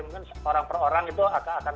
mungkin orang per orang itu akan kena gitu